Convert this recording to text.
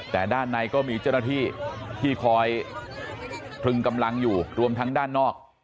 แต่ด้านในก็มีเจ้าหน้าที่ที่คอยพรึงกำลังอยู่รวมทั้งด้านนอก